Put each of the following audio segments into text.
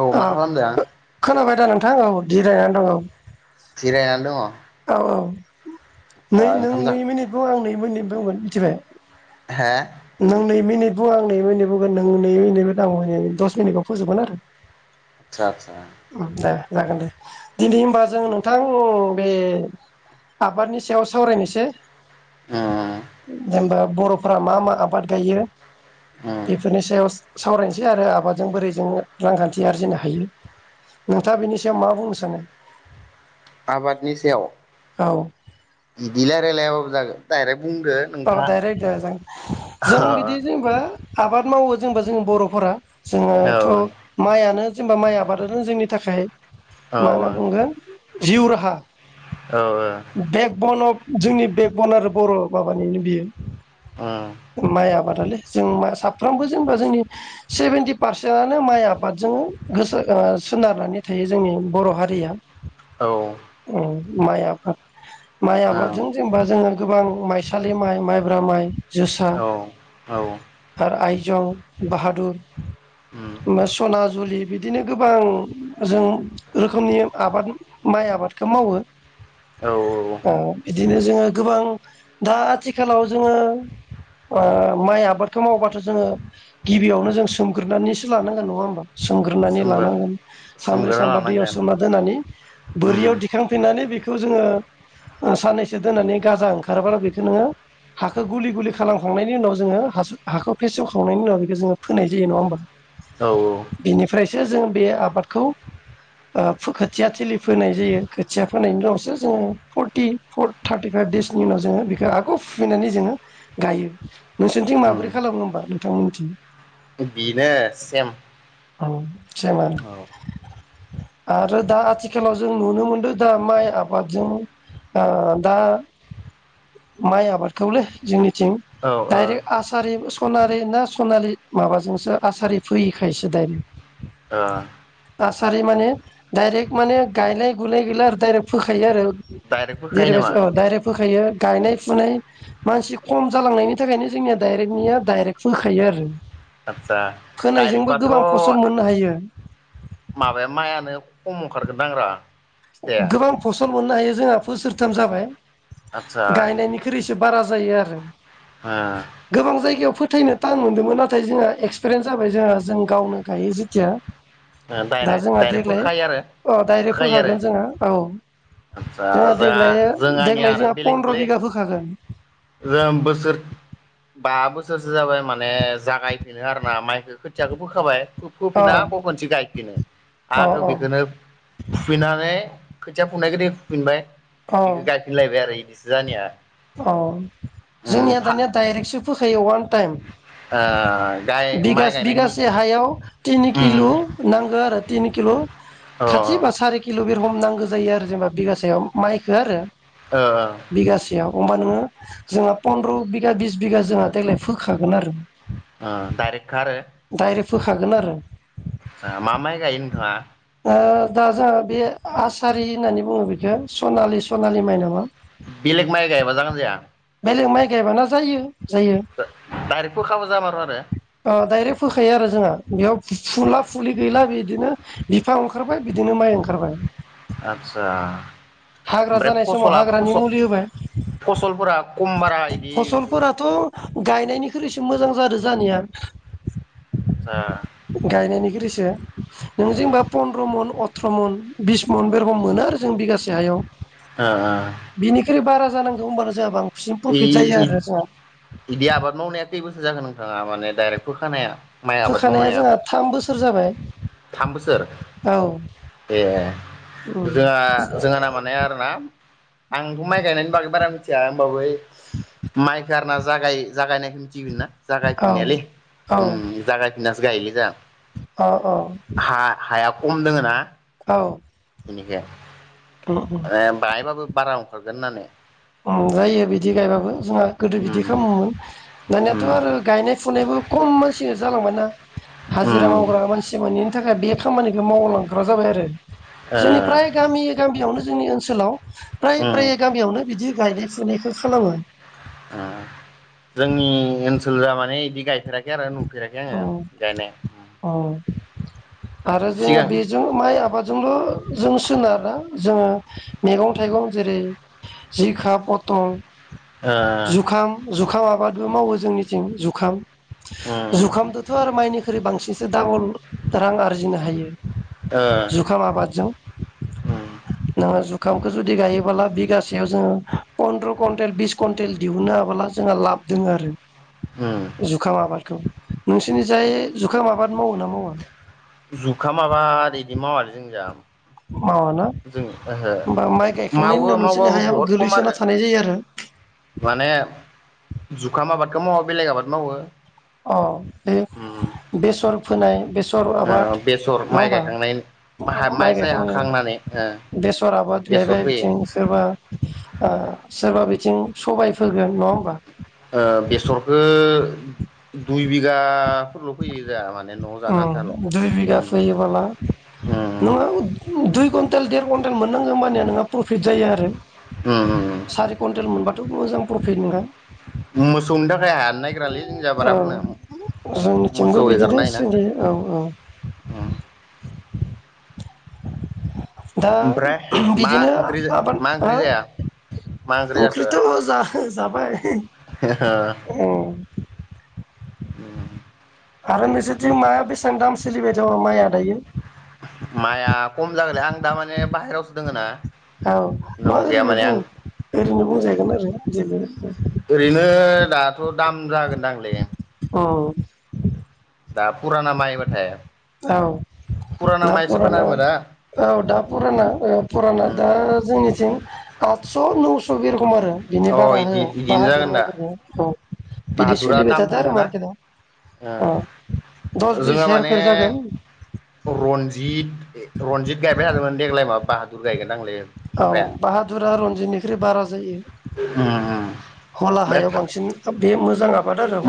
औ मा खालामदों? ओ नोंथां औ जिरायनानै दं औ। जिरायनानै दङ आदसा औ औ नै नों ओंखाम नै जाख मिनिट बुं आं नै [unintelligible] मोन मिथिबाय हा नों नै मिनिट बुं आं नै मिनिट बुंगोन नों नै मिनिट आ दस मिनिटआव फोजोबगोन आरो दे [unintelligible] जागोन दे दिनै होमबा जों नोंथां बे आबादनि सायाव सावरायनोसै उम जेन'बा बर'फोरा मा मा बाद गायो उम बेफोरनि सायावस। सावरायनोसै आरो आबादजों बोरै जों रांखान्थि आरजिनो हायो नोंथाङा बिनि सायाव मा बुंनो सानो? आबादनि सायाव औ इदि रायलाय लायाबाबो जागोन दायरेक औ डाइरेक्ट दे जों जों बिदि औ जेनेबा आबाद मावो जोंबा जों बर'फोरा। औ जोङोथ' माइयानो जेनेबा माइ आबादानो जोंनि थाखाय औ मा होनना बुंगोन। जिउ राहा [unintelligible] जोंनि बेकबन आरो बर' बाबानिनो उम बियो माइ आबाद । जों मा साफ्रोमबो जेनेबा जोंनि सेभेेनटि पारसेन्टनो माइ आबादजों गोसो सोनारनानै थायो जोंनि बर' हारिया। औ उम्म माइ आफाद माइ आबादजों जेनेबा जोङो गोबां माइ सालि माइ माइब्रा माइ जोसा औ औ आरो आइ जं बाहादुर उम ओफाय सनाजुलि बिदिनो गोबां जों रोखोमनि आबाद माइ आबादखो मावो। औ औ ओ बिदिनो जोंङो गोबां दा आथिखालाव जोङो ओ माइ आबादखौ मावबाथ जोङो गिबियावनो जों सोमग्रोनानैसो लानांगोन नङा होमबा सोमग्रोनानै सोमगोर लानांगोन सानब्रै सोमगोरना सामबा दैयाव लानांगोन सोमना दोननानै उम बोरियाव दिखांफिननानै बेखौ जोङो ओ साननैसो दोननानै गाजा ओंखारोबा बि नोङो हाखौ गुलि गुलि खालामखांनायनि उनाव जोङो हासो हाखौ फेसेवखांनायनि उनाव बेखौ जोङो फोनाय जायो नङा होमबा? औ बिनिफ्रायसो जों बे आबादखौ ओ फो खोथिया थिलि फोनाय जायो खोथिया फोनायनि उनावसो जोङो फथारटि टारथिफाइभ देसनि उनाव जोंङो हाखौ फुफैनानै जोङो गायो नोंसोरनिथिं उम माबोरै खालामो होमबा नोंथां मिथियो बेनो सेम औ जेमोन औ आरो दा आथिखालाव जों नुनो मोनदों दा माइ आबादजों ओ दा माइ आबादखौलै जोंनि थिं औ ओ डायरेक ओ सारि सनारे ना सनालि माबाजोंसो आसारि फोयोखायसो डाइरेक्ट आसारि माने डायरेक्ट माने गायलाय गुलाय गैला आरो डाइरेक्ट फोखायो आरो। डाइरेक्ट फोखायो नामा जेरैबायसो डाइरेक फोखायो। गायनाय फुनाय मानसि खम जालांनायनि थाखायनो जोंनिया डाइरेक्टनिया डाइरेक्ट फोखायो आरो। आदसा डाइरेक्ट फोनायजोंबो बाथ गोबां फसल आ मोननो हायो माबाया माइआनो खम ओंखारगोनदां रा फिथाइया गोबां फसल मोननो हायो जोंहा बोसोरथाम जाबाय। आदसा गायनायनिख्रुय एसे बारा जायो आरो। ओ गोबां जायगायाव फो थैनो टान मोन्दोंमोन नाथाय जोंहा एक्सपिरियेन्स जाबाय जोंहा जों गावनो गायो जेथिया। ओ दा दायरेक जोंहा दायरेक फोखायो आरो फोखायो आरो ओ औ आदसा जोंहा जोंहानिया देग्लाय-देग्लाय आरो जोंहा फन्द्र बेलेगलै बिघा फोखागोन। जों बोसोर बा बोसोरसो जाबाय माने जागायफिनो आरोना माइखौ खोथियाखौ फोखाबाय। फो अ फोफिनाक' खनसे गायफिनो अ आरो अ बेखोनो फुफिननानै खोथिया फुनायखोदि फुफिनबाय बिखो गायफिनलायबाय आरो इदि जानिया अ ओ जोंनिया फा दानिया डाइरेक्टसो फोखायो वान टाइम ओ गाय माइ बिगास गायनायनि बिगासे हायाव तिनि उम किलु नांगो आरो तिन किलु अ ओ खाथि बा सारि किल बिरहम नांगौ जायो आरो। जेनबा बिगासेयाव माइखो आरो ओ अमबा नोंङो जोंहा फन्द्र बिगा बिस बिगा जोंहा देग्लाय फोखागोन आरो। ओ दारेख खा आरो। डाइरेक्ट फोखागोन आरो ओ मा माय गायो नोंथाङा? ओ दा जोंहा बे आसारि होननानै बुंङो बेखो सनालि -सनालि माइ नामा? बेलेग माइ गायबा जागोन जाया? बेलेग माइ गायबान जायो । दा दायरेक फोखाबा [unintelligible] ओ दाइरेक्ट फोखायो आरो जोङो बेयाव फुला फुलि गैला बिद बिदिनो बिफां ओंखारबाय बिदिनो माइ ओंखारबाय । आदसा। ओमफ्राय जानाय समाव फसला हाग्रानि फस मुलि होबाय फसलफोरा खम बारा इदि बि गायनायनिख्रैसो मोजां जादो जानाया आदसा गायनायनिख्रैसो। [unintelligible] नों जेनबा फन्द्र मन अथ थ्र मन बिस मन बे रखम मोनो आरो जों बिगास जायाव ओ बिनिख्रै बारा। जानांगौ होनबानो जायाबां इ-इद इदि आबाद मावनाया खैबो जागोन नोंथांङा माने दाइरेक्ट फोखानाया माइ आबाद फोखानाया मावनाया जोंहा थाम बोसोर जाबाय थाम बोसोर औ ए उम जोंहा जोंहा ना माने आरो ना। आंथ माइ गायनायनि बागै बारा मिथिया। बावै माइ गारना जागाय जागायनाय खिन्थिगोन ना जागाय औ फिननायालै औ उम जागाय। दासो गायोलै जाहा अ अ खम दोंङो ना? औ। उम उम यिनिखाया ओम बाहाय बाबो बाराव ओंखारगोन होननानै । उम जायो बिदि गायबाबो । जोंहा गोदो बिदि उम खामोमोन दानियाथ उम आरो गायनाय फुनायबो खम मानसि जालांबाय ना हाजिरा उम मावग्रा मानसि मोनिन थाखाय बे खामानिखौ मावलांग्रा जाबाय आरो ओ जोंनिफ्राय गामि गामियावनो जोंनि ओनसोलाव। प्राय उम प्राय गामियावनो बिदि गायनाय फुनायखौ खालामो । [unintelligible] जोंनि ओनसो ला माने इदि गायफेराखै आरो नु फेराखै अ आङो गायनाय उम अ आरो जोङो बेजों माइ आबाद जोंबो जों सोनारा जोङो मेगं थाइगं जेरै जिखा पथल ओ जुखाम जुखामा आबादबो मावो जोंनिथिं जुखाम उम जुखामदोथ' आरो माइनि ख्रै बांसिनसो दाबल रां आरजिनो हायो। ओ जुखाम आबादजों उम नोङो जु खामखौ जुदि गायोबोला बिगासेयाव जोङो पन्द्र' कुवन्टेल बिस कुवन्टेल दिहुनो हाबोला जोंहा लाब दों आरो। उम जुखाम आबाद। औ [inaudible] नोंसिनि जाय जुखाम आबाद मावो ना मावा? जुखाम आबाद इदि मावा जोंनि जाम मावाना होमबा माइ गायखांनायनि मावो उनाव नोंसोरनि मावबाबो हायाबो बहुद खम गोग्लैसोना आरो थानाय जायो आरो । माने जुखाम आबादखौ मावा बेलेग आबाद मावो अ उम बे-बेसर फोनाय बे - सर ओ आबाद बेसर नङा माइ गायखांनायनि होमबा माइ माइसाय गायखांनायाव हाखांनानै ओ बेसर आबाद बेसर गायबाय फोयो ओ बिथिं सोरबा ओ सोरबा बिथिं सबाय फोगोन नङा ओमबा? ओ बेसरखो दुइ बिघा उम दुइ बिघा उम फैयोबोला उम नोङो दुइ कुन टेल देर कुवन्टेल मोननांगौ मानिया नोंहा प्रफिट जायो आरो उम उम सारि कुइन्टेल मोनबा मोजां प्रफिट नोंथां मोसौनि थाखा खाय हानो नागिरालै जोंनि जा बारा फोनो औ जोंनिथिंबो मोसौ बिदिनो एगारना ना सोलियो औ औ होयोना उम । दा मा बिदिनो ओंख्रि आबाद मा आ ओंख्रि जाया मा ओंख्रि ओंख्रिथ' जा जाबाय। औ ओम। आरो नोंसोरथिं माया बेसां दाम सोलिबाय दं माइआ दायो? माया खम जागोनलै आं दा माने बाहेरावसो दोङो ना? औ नङा न'आव गैया ओरैनो माने बुं आं ओरैनो बुंजाहैगोन आरो। जेबो ओरैनो दाथ दाम जागोनदांलै अ दा फुराना माइबाथाय औ फुराना दा माइसो फाना पुराना होमबा दा औ दा पुराना औ पुराना दा जोंनिथिं आत [unintelligible] खम आरो बिनि अ बारा इदि होआ इदिनो जागोन दा बाहादुरमायफोर औ। बिदि बाहादुरा सोलिबाय दाम थादों आरो मारकेटआव औ। जोंङो माने रनजित ए ओ रनजित गायबाय [unintelligible] देग्लाय मा बाहादुर गायगोन आंलाय। औ बाहादुरा रन्जितनिख्रुइ बारा जायो ओमफ्राय हला हायाव बांसिन बे मु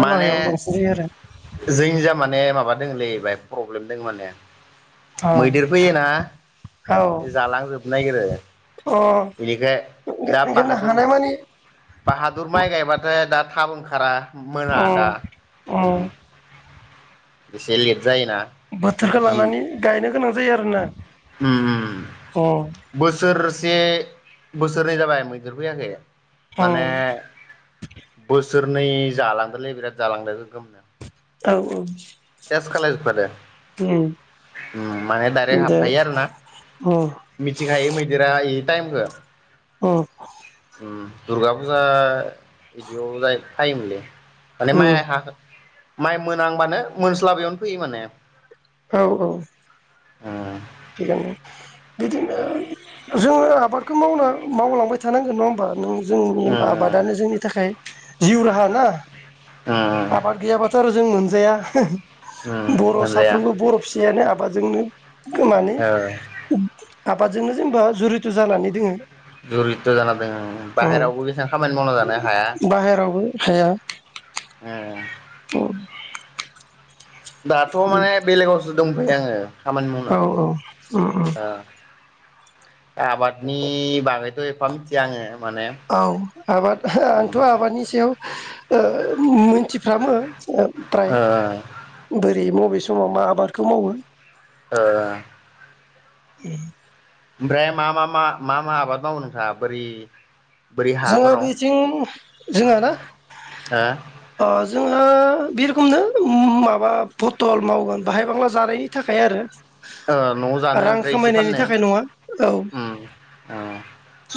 माने जोंनि जा माने माबा । [unintelligible] प्रब्लेम दं माने। आरो मैदेर फैयोना औ जालांजोबनो नागिरो औ बेनिखाय दा अ बाहादुर हानाय मानि बाहादुर माइ गायबाथाय दा थाब ओंखारा। मोना दा उम ओम उम इसे लिर बोथोरखौ लानानै गायनो गोनां जायो आरोना । उम्म उम्म बोसो बोसोरसे बोसोरनै जाबाय मैदेर फैयाखै । माने उम बो बोसोरनै जालांदोलै बिराद जालांदो गोगोमनो। औ सेस खालाय जोबखादों उम माने दायरेख दे फायो आरो ना उम मिथिंखायो मैदेरा हाय टाइमखो औ उम दुर्गा फुजा बिदियाव जायो फायोमोनलै। माने माइ हागोन माइ मोनांबानो मोनस्लाबैयावनो फैयो माने औ औ। ओम। थिगानो बिदिनो जोङो आबादखौ मावना मावलांबाय थानांगोन नङा होमबा नों जोंनि आबादानो जोंनि थाखाय जिउ राहा ना आबाद गैया बाथ। जों मोनजाया। बर' मोनजाया साफ्रोमबो बर' फिसायानो आब बाजोंनो गो माने। औ आबादजोंनो जेनेबा जुरित' जानानै दोङो जुरिद्र' जाना द औ बाहेरायावबो बेसेबां खामानि मावना जानो हाया। औ। दाथ' माने बेलेगावसो दंफै आङो खामानि मावनो। औ उम उम आबादनि बागैथ' एफा मिथिया आङो माने औ आबाद आंथ' आबादनि सायाव मिथिफ्रामो। [unintelligible] फ्राय [unintelligible] बे बबे समाव मा आबादखौ मावो। ओ। ओम। ओमफ्राय मा मा मा मा मा आबाद मावो नोंथाङ बोरै। बोरै जोङो हाफोराव बेथिं जोंहा ना ओ जों ओ बे रोखोमनो माबा पथल मावगोन बाहाय बांला जानायनि थाखाय आरो। न'आव जानो रां ओमफ्राय इसे खामायनायनि फाननो थाखाय नङा औ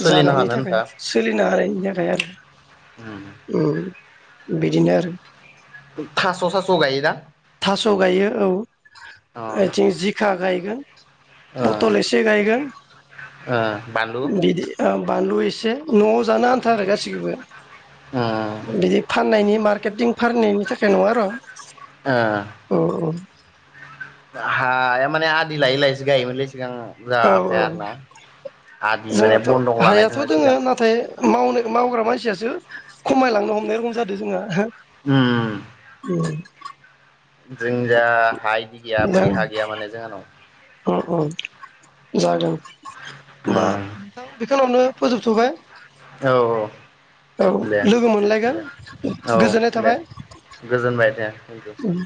सोलिनो जानायनि हानो थाखाय होनथा। सोलिनो हानायनि थाखाय आरो ओम बिदिनो आरो। थास' सास' गायो दा? थास' गायो औ अ ओ बेथिं जिखा गायो गोन बथल एसे गायगोन ओ बानलु बिदि औ बानलु एसे न'आव जानो आन्था गासिखौबो उम बिदि फाननायनि मार्क केटिं फारनायनि थाखाय नङा आरो ओ अ अ हाया माने आदि लायै लायैसो गायोमोनलै सिगां औ जाहा आफाया आरोना आदि माने जोंहाथ' बन्दक लानाय हायाथ' दंमोन दोङो सिगां। नाथाय मावनो मावग्रा मानसियासो खमायलांनो हमनाय रखम जादों जोंहा उम [inaudible] जों जा हा इदि गैया बोरि हा जागोन गैया माने जोंहानाव उम उम जागोन होमबा उम नोंथां बेखिनिआवनो फोजोबथ'बाय। औ औ औ दे लोगो मोनलायगोन दे औ गोजोननाय दे थाबाय। गोजोनबाय दे थेंकिउ उम।